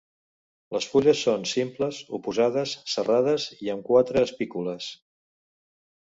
Les fulles són simples, oposades, serrades i amb quatre espícules.